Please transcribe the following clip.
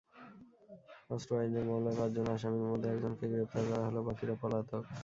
অস্ত্র আইনের মামলায় পাঁচজন আসামির মধ্যে একজনকে গ্রেপ্তার করা হলেও বাকিরা পলাতক।